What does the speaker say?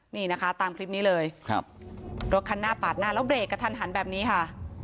นี่นะคะตามคลิปนี้เลยครับรถคันหน้าปาดหน้าแล้วเบรกกระทันหันแบบนี้ค่ะ